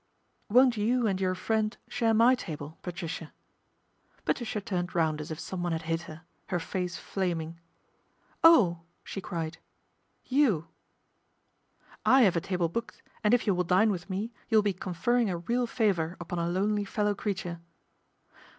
" Won't you and your friend share my table. Patricia ?" Patricia turned round as if someone had hit her, her face naming. " Oh !" she cried. " You ?"" I have a table booked, and if you will dine with me you will be conferring a real favour upon a lonely fellow creature."